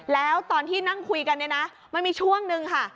แล้วตอนที่นั่งคุยกันเนี่ยนะมันมีช่วงนึงค่ะ